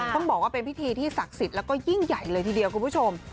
ต้องบอกว่าเป็นพิธีที่ศักดิ์สิทธิ์แล้วก็ยิ่งใหญ่เลยทีเดียวคุณผู้ชม